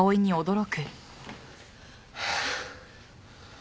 ハァ。